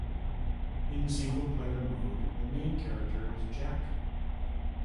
In single player mode, the main character is Jack.